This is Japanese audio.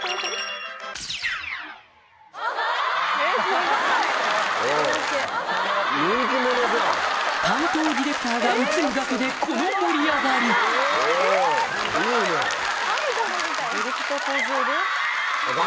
この担当ディレクターが映るだけでこの盛り上がりわ！